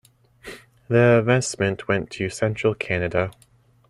The investment went to central Canada.